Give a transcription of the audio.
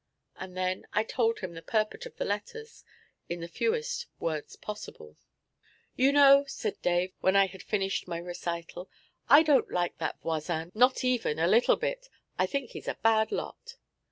And then I told him the purport of the letters in the fewest words possible. 'Do you know,' said Dave, when I had finished my recital, 'I don't like that Voisin, not even a little bit. I think he's a bad lot.'